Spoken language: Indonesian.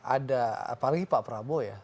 ada apalagi pak prabowo ya